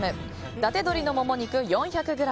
伊達鶏のモモ肉４００ｇ